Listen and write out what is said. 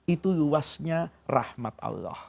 itu luasnya rahmat allah